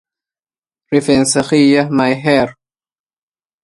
ذهب فاضل إلى المنزل فحسب.